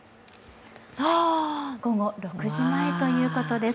午後６時前ということです。